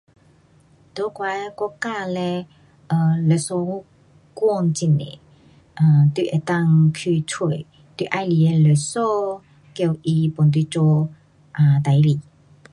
在我的国家嘞，um 律师馆很多。um 你能够去找你喜欢的律师，叫他帮你做 um 事情。